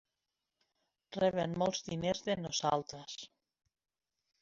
Reben molts diners de nosaltres.